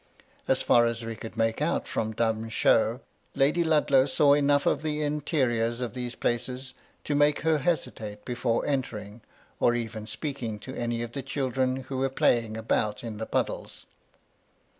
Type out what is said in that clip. As far as we could make out from dumb show, ^ Lady Ludlow saw enough of the interiors of these places to make her hesitate before entering, or even speaking to any of the children who were playing about in the puddles.